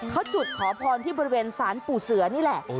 เขาจุดขอพรที่บริเวณสารปู่เสือนี่แหละ